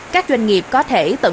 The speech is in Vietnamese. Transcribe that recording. các doanh nghiệp có thể tận dụng